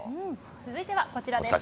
続いてはこちらです。